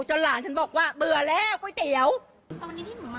หลานฉันบอกว่าเบื่อแล้วก๋วยเตี๋ยวตอนนี้ที่หนูมา